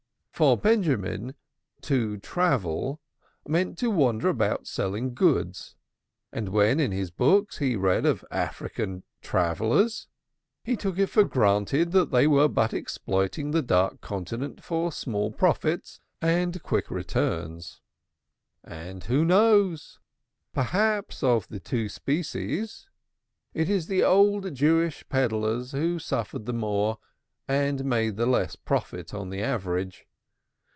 For Benjamin, "to travel" meant to wander about selling goods, and when in his books he read of African travellers, he took it for granted that they were but exploiting the Dark Continent for small profits and quick returns. And who knows? Perhaps of the two species, it was the old Jewish peddlers who suffered the more and made the less profit on the average.